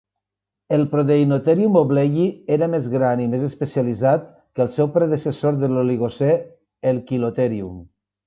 El Prodeinotherium hobleyi era més gran i més especialitzat que el seu predecessor de l'oligocè, el Chilotherium.